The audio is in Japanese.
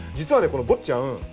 この「坊っちゃん」